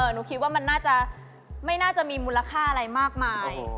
หนูคิดว่ามันน่าจะไม่น่าจะมีมูลค่าอะไรมากมาย